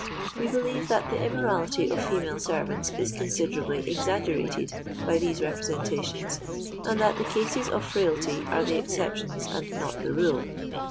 We believe that the immorality of female servants is considerably exaggerated by these representations, and that the cases of frailty are the exceptions and not the rule.